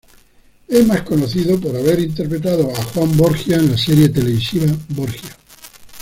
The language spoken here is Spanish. Es más conocido por haber interpretado a Juan Borgia en la serie televisiva "Borgia".